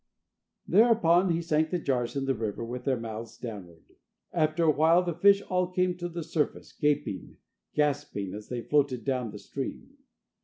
Thereupon he sank the jars in the river with their mouths downward. After a while the fish all came to the surface gaping, gasping as they floated down the stream.